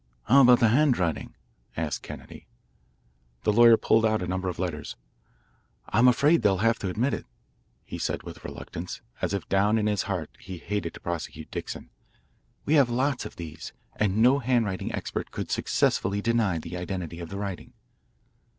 "How about the handwriting?" asked Kennedy. The lawyer pulled out a number of letters. "I'm afraid they will have to admit it," he said with reluctance, as if down in his heart he hated to prosecute Dixon. "We have lots of these, and no handwriting expert could successfully deny the identity of the writing."